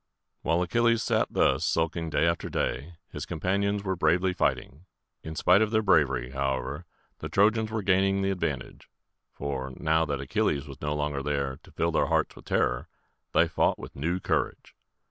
While Achilles sat thus sulking day after day, his companions were bravely fighting. In spite of their bravery, however, the Trojans were gaining the advantage; for, now that Achilles was no longer there to fill their hearts with terror, they fought with new courage.